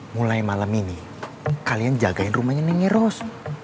mulai malam ini kalian jagain rumahnya neng nge ros